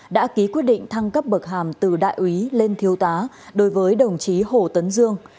đã ký quyết định thăng cấp bậc hàm từ đại úy lên thiếu tá đối với đồng chí hồ tấn dương